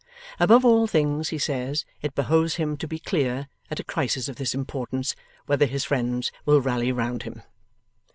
Above all things, he says, it behoves him to be clear, at a crisis of this importance, 'whether his friends will rally round him.